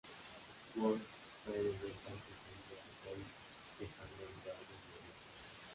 Worf trae de vuelta al presente a Troi, dejando el lugar de inmediato.